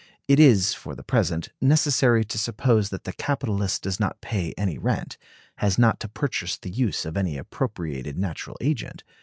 It is, for the present, necessary to suppose that the capitalist does not pay any rent; has not to purchase the use of any appropriated natural agent.